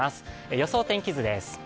予想天気図です。